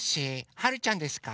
はるちゃんですか？